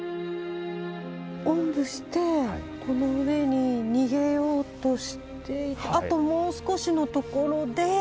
おんぶしてこの上に逃げようとしていてあともう少しのところで。